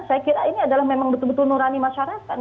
saya kira ini adalah memang betul betul nurani masyarakat